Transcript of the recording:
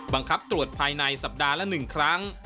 บังคับตรวจภายในสัปดาห์ละ๑ครั้ง